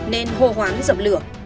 nên hồ hoán dập lửa